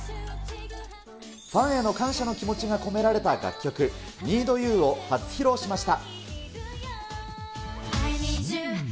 ファンへの感謝の気持ちが込められた楽曲、ニードユーを初披露しました。